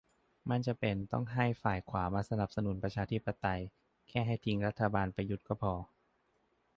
ไม่จำเป็นต้องให้ฝ่ายขวามาสนับสนุนประชาธิปไตย แค่ให้ทิ้งรัฐบาลประยุทธ์ก็พอ